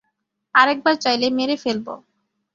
আরেকবার চাইলে মেরে ফেলব!